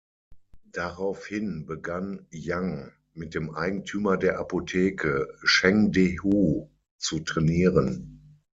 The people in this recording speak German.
Daraufhin begann Yang mit dem Eigentümer der Apotheke, Chen De Hu, zu trainieren.